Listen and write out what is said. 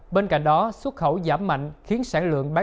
bên cạnh đó xuất khẩu giảm mạnh khiến sản lượng đạt hơn